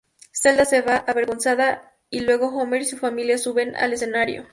Zelda se va, avergonzada, y luego Homer y su familia suben al escenario.